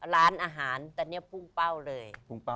ร้านอาหารตอนเนี้ยภูมิเป้าเลย